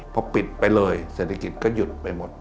พอปิดไปเลยเศรษฐกิจก็หยุดไปหมด